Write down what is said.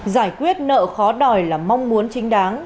giải quyết nợ khó đòi là mong muốn chính đáng